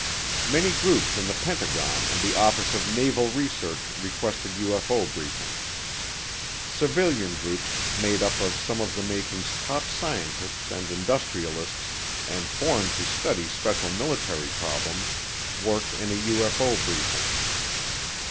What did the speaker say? Many groups in the Pentagon and the Office of Naval Research requested UFO briefings. Civilian groups, made up of some of the nation's top scientists and industrialists, and formed to study special military problems, worked in a UFO briefing.